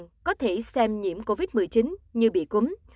các lãnh đạo có thể xem nhiễm covid một mươi chín như bị cúng